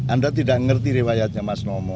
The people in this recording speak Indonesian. anda tidak mengerti riwayatnya mas nomo